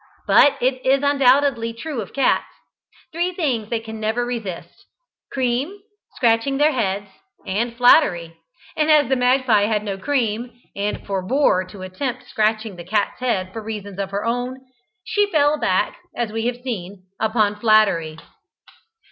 But it is undoubtedly true of cats. Three things they can never resist: cream, scratching their heads, and flattery; and as the magpie had no cream, and forbore to attempt scratching the cat's head for reasons of her own, she fell back, as we have seen, upon flattery.